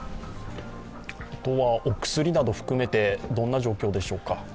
お薬などを含めてどんな状況でしょうか。